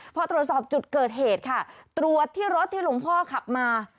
พอตรวจสอบจุดเกิดเหตุค่ะตรวจที่รถที่หลวงพ่อขับมา